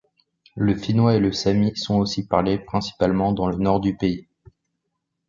Le finnois et le sami sont aussi parlés, principalement dans le nord du pays.